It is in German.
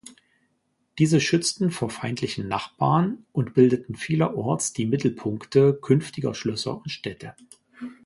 Diese schützten vor feindlichen Nachbarn und bildeten vielerorts die Mittelpunkte künftiger Schlösser und Städte.